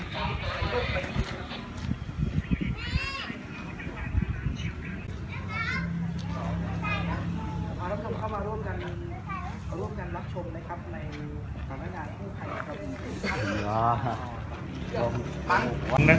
เข้ามาร่วมกันร่วมกันรับชมนะครับในภาพยาบาลคู่ไข่เกาหรือ